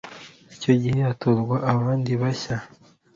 icyo gihe hatorwa abandi bashya